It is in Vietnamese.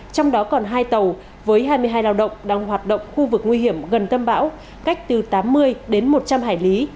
trong đó còn hai tàu với hai mươi hai lao động đang hoạt động khu vực nguy hiểm gần tâm bão cách từ tám mươi đến một trăm linh hải lý